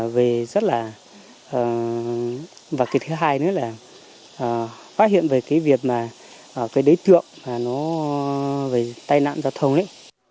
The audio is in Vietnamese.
và cái thứ hai nữa là phát hiện về cái việc mà cái đối tượng nó về tai nạn giao thông ấy